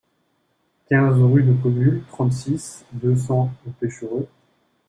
quinze rue de Paumule, trente-six, deux cents au Pêchereau